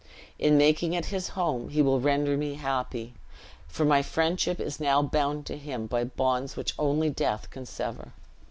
In making it his home he will render me happy, for my friendship is now bound to him by bonds which only death can sever."